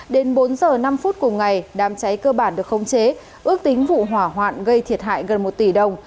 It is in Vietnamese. đến bốn h năm phút cùng ngày đám cháy cơ bản được không chế ước tính vụ hỏa hoạn gây thiệt hại gần một tỷ đồng